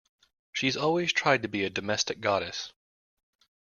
She's always tried to be a domestic goddess.